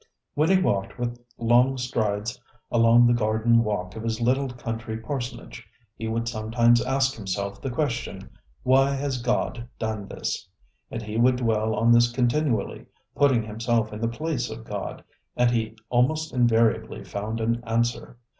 When he walked with long strides along the garden walk of his little country parsonage, he would sometimes ask himself the question: ŌĆ£Why has God done this? ŌĆØ And he would dwell on this continually, putting himself in the place of God, and he almost invariably found an answer.